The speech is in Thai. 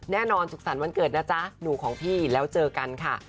สุขสรรค์วันเกิดนะจ๊ะหนูของพี่แล้วเจอกันค่ะ